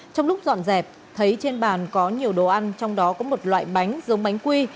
trong lúc dọn dẹp thấy trên bàn có nhiều đồ ăn trong đó có một loại bánh giống bánh quy